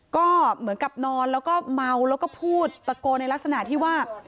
ก็เหมือนกับนอนแล้วก็เมาแล้วก็พูดตะโกนในลักษณะที่ว่า